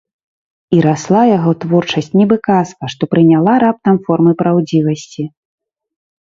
І расла яго творчасць, нібы казка, што прыняла раптам формы праўдзівасці.